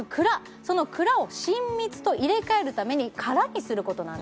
その蔵を新蜜と入れ替えるために空にすることなんです